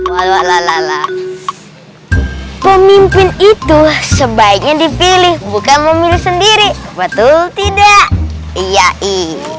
walau lala pemimpin itu sebaiknya dipilih bukan memilih sendiri betul tidak ia i